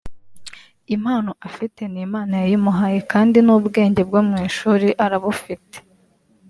impano afite n’Imana yayimuhaye kandi n’ubwenge bwo mu ishuri arabufite